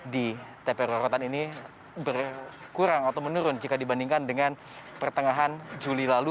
di tp rorotan ini berkurang atau menurun jika dibandingkan dengan pertengahan juli lalu